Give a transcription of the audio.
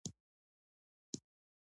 زه باید نوم او کړنه دواړه وپیژنم.